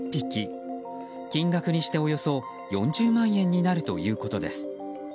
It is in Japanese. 金額にしておよそ４０万円になるということです。